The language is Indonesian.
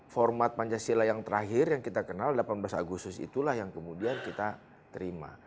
format pancasila yang terakhir yang kita kenal delapan belas agustus itulah yang kemudian kita terima